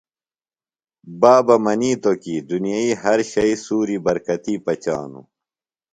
بابہ منِیتوۡ کی دُنئی ہر شئی سُوری برکتی پچانُوُ۔